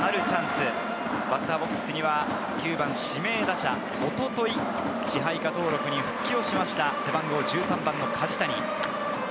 バッターボックスには９番指名打者、おととい、支配下登録に復帰した背番号１３番の梶谷。